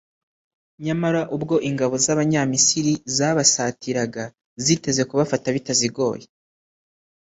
nyamara ubwo ingabo z’abanyamisiri zabasatiraga ziteze kubafata bitazigoye,